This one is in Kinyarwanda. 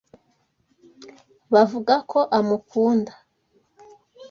Bavuga ko amukunda.